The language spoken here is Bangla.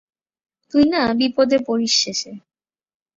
তুই না বিপদে পড়িস শেষে।